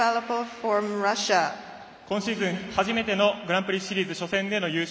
今シーズン始めてのグランプリシリーズ初戦での優勝。